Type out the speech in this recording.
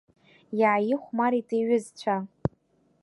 Иааиахәмарит иҩызцәа.